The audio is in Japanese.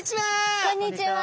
こんにちは！